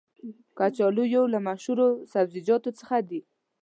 کچالو یو له مشهورو سبزیجاتو څخه دی.